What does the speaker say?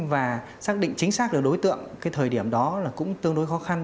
và xác định chính xác được đối tượng cái thời điểm đó là cũng tương đối khó khăn